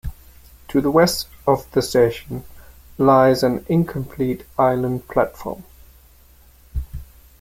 To the west of the station, lies an incomplete island platform.